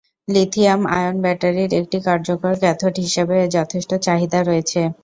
Lithium ion ব্যাটারির একটি কার্যকর ক্যাথোড হিসাবে এর যথেষ্ট চাহিদা রয়েছে।